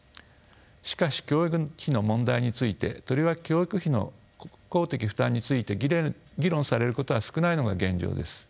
しかし教育費の問題についてとりわけ教育費の公的負担について議論されることは少ないのが現状です。